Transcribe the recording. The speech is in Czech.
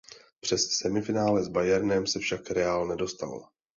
Přes semifinále s Bayernem se však Real nedostal.